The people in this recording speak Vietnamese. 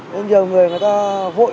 nên nhiều người người ta vội